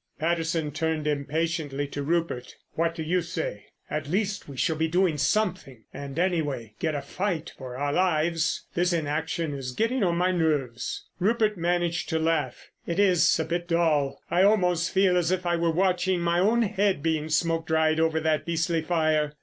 Patterson turned impatiently to Rupert. "What do you say? At least we shall be doing something, and, anyway, get a fight for our lives. This inaction is getting on my nerves." Rupert managed to laugh. "It is a bit dull. I almost feel as if I were watching my own head being smoke dried over that beastly fire."